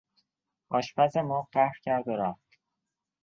آشپز ما قهر کرد و رفت.